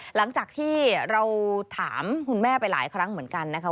หลังจากที่เราถามคุณแม่ไปหลายครั้งเหมือนกันนะคะ